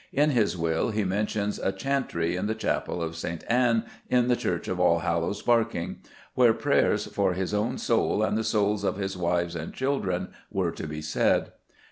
In his will he mentions "a chantry in the chapel of St. Anne in the church of Allhallows Barking" where prayers for "his own soul and the souls of his wyves and children" were to be said.